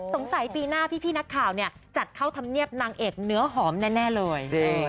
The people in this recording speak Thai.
ปีหน้าพี่นักข่าวเนี่ยจัดเข้าธรรมเนียบนางเอกเนื้อหอมแน่เลย